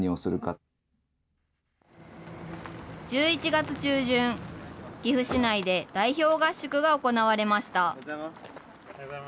１１月中旬、岐阜市内で代表合宿が行われました。